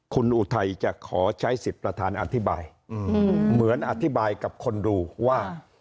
คุณอุทัยจะขอใช้สิทธิ์ประธานอธิบายเหมือนอธิบายกับคนดูว่า